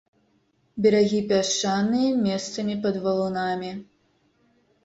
Берагі пясчаныя, месцамі пад валунамі.